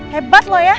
hebat lo ya